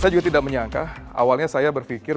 saya juga tidak menyangka awalnya saya berpikir